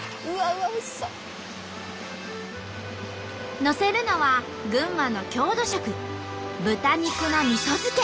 のせるのは群馬の郷土食豚肉のみそ漬け。